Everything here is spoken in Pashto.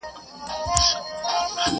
ما دي ولیدل په کور کي د اغیارو سترګکونه؛